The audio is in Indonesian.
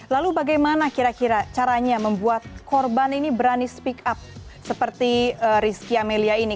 lalu bagaimana kira kira caranya membuat korban ini berani speak up seperti rizky amelia ini